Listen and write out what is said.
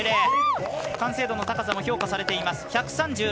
完成度の高さも評価されています。